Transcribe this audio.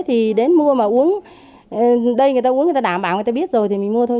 thì đến mua mà uống đây người ta uống người ta đảm bảo người ta biết rồi thì mình mua thôi